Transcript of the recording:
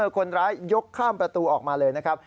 คนร้ายยกข้ามประตูออกมาเลยนะครับ